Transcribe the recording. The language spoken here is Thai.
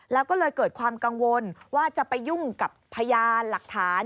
แล้วก็เลยเกิดความกังวลว่าจะไปยุ่งกับพยานหลักฐาน